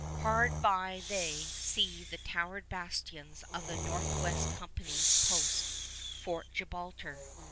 Hard by they see the towered bastions of the Northwest Company's post, Fort Gibraltar.